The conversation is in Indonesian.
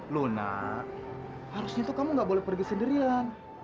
lunak harusnya tuh kamu gak boleh pergi sendirian